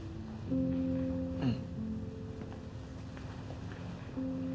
うん。